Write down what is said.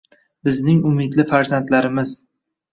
Bizning umidli farzandlarimiz